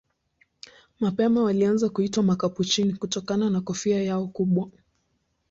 Mapema walianza kuitwa Wakapuchini kutokana na kofia yao kubwa.